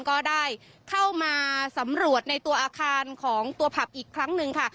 ก็ได้เข้ามาสำรวจในตัวอาคารของตัวผับอีกครั้งหนึ่งค่ะ